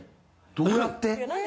どうやって？